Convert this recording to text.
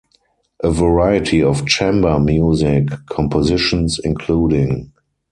A variety of chamber music compositions, including